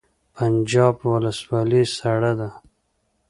پنجاب ولسوالۍ سړه ده؟